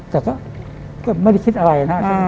แต่ก็ไม่ได้คิดอะไรนะ